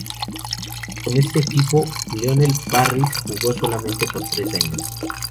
Con este equipo Leonel Parris jugó solamente por tres años.